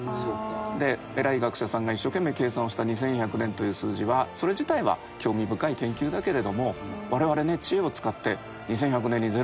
で偉い学者さんが一生懸命計算をした２１００年という数字はそれ自体は興味深い研究だけれども我々ね知恵を使って。